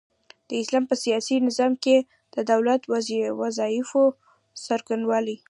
د اسلام په سياسي نظام کي د دولت د وظايفو څرنګوالۍ